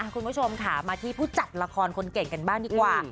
คุณผู้ชมค่ะมาที่ผู้จัดละครคนเก่งกันบ้างดีกว่า